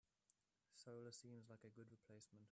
Solar seems like a good replacement.